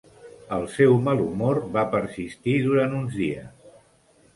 El seu mal humor va persistir durant uns dies.